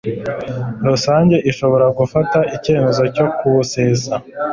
Rusange ishobora gufata icyemezo cyo kuwusesa